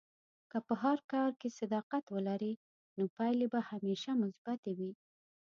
که په هر کار کې صداقت ولرې، نو پایلې به همیشه مثبتې وي.